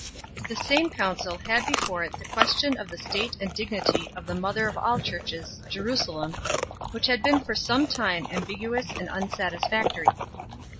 The same council had before it the question of the state and dignity of the mother of all Churches, Jerusalem, which had been for some time ambiguous and unsatisfac tory.